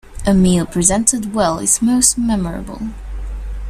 A meal presented well is most memorable.